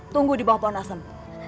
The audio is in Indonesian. tunggu di bawah pohon asem